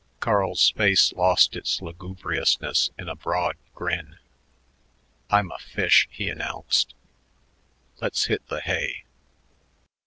Carl's face lost its lugubriousness in a broad grin. "I'm a fish," he announced. "Let's hit the hay."